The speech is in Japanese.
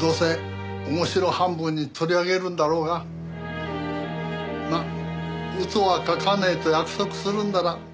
どうせ面白半分に取り上げるんだろうがまあ嘘は書かねえと約束するんなら好きに取材しな。